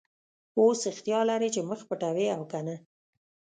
اوس اختیار لرې چې مخ پټوې او که نه.